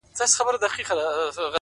اراده د ستونزو له منځه لارې باسي.!